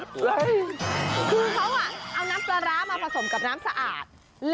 คือเขาเอาน้ำปลาร้ามาผสมกับน้ำสะอาด